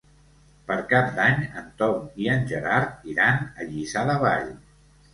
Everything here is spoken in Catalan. Per Cap d'Any en Tom i en Gerard iran a Lliçà de Vall.